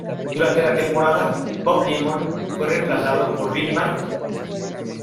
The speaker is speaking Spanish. Durante la temporada, Bob Lemon fue reemplazado por Billy Martin.